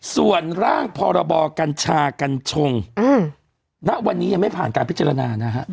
ส่วนร่างพรบกัญชากัญชงณวันนี้ยังไม่ผ่านการพิจารณานะฮะ